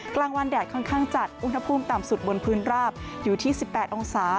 กลางวันแดดค่อนข้างจัดอุณหภูมิต่ำสุดบนพื้นราบอยู่ที่๑๘องศา